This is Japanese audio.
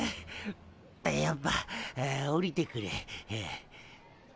やっぱ下りてくれ。